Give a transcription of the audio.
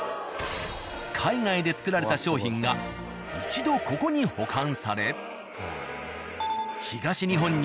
海外で作られた商品が一度ここに保管され。